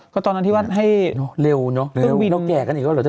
ก็ตอนนั้นที่ว่าให้เร็วเนอะเร็วเร็วแก่กันอีกแล้ว